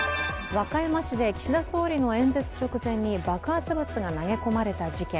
和歌山市で岸田総理の演説直前に爆発物が投げ込まれた事件。